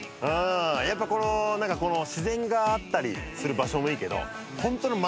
やっぱこの自然があったりする場所もいいけど。